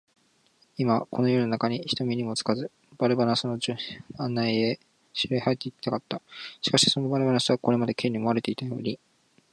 今、この夜なかに、人目にもつかず、バルナバスの案内で城へ入っていきたかった。しかし、そのバルナバスは、これまで Ｋ に思われていたように、